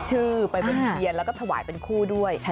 ชื่อไปบนเทียนแล้วก็ถวายเป็นคู่ด้วย